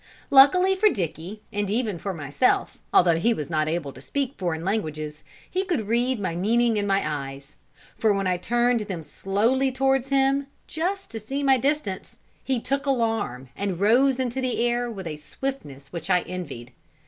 Luckily for Dicky, and even for myself, although he was not able to speak foreign languages, he could read my meaning in my eyes; for when I turned them slowly towards him, just to see my distance, he took alarm, and rose into the air with a swiftness which I envied.